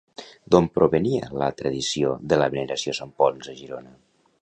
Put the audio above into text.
D'on provenia la tradició de la veneració a Sant Ponç a Girona?